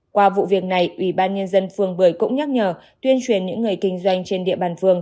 qua vụ việc này ubnd phường một mươi cũng nhắc nhở tuyên truyền những người kinh doanh trên địa bàn phường